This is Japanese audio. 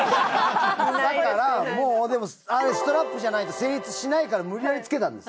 だからもうでもあれストラップじゃないと成立しないから無理やり付けたんです。